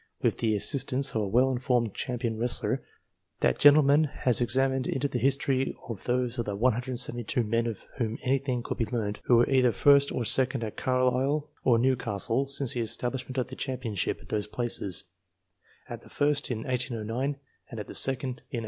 With the assistance of a well informed champion wrestler, that gentleman has examined into the history of those of the 172 men of whom anything could be learnt, who were either first or second at Carlisle or Newcastle since the establishment of the champion ship at those places ; at the first, in 1809, and at the second, in 1839.